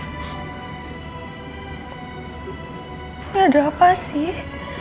ini ada apa sih